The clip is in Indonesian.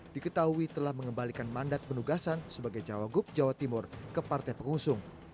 diketahui telah mengembalikan mandat penugasan sebagai cawagup jawa timur ke partai pengusung